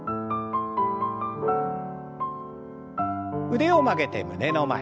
腕を曲げて胸の前。